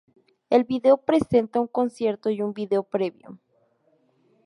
El video presenta un concierto y un video previo.